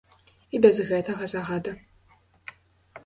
І без гэтага загада.